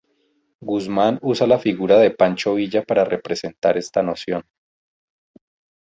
Guzmán usa la figura de Pancho Villa para representar esta noción.